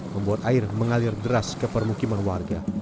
membuat air mengalir deras ke permukiman warga